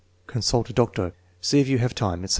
"Consult a doc tor." "See if you have time/' etc.